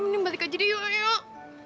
nih balik aja deh yuk yuk